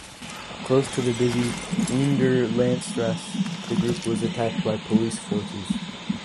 Close to the busy "Weender Landstrasse" the group was attacked by police forces.